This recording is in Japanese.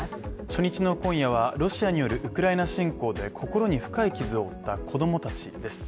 初日の今夜はロシアによるウクライナ侵攻で心に深い傷を負った子供たちです。